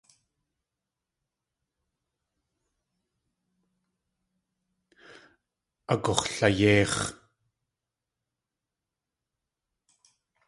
Agux̲layéix̲.